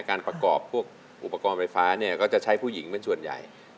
การประกอบพวกอุปกรณ์ไฟฟ้าเนี่ยก็จะใช้ผู้หญิงเป็นส่วนใหญ่